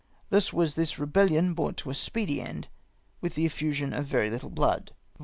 Thus was this rebellion brought to a speedy end, with the effusion of very little blood." — Vol.